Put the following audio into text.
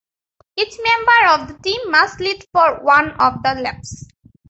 Each member of the team must lead for one of the laps.